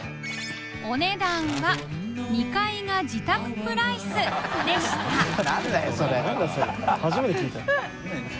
お値段は２階が自宅プライスでしたハハハ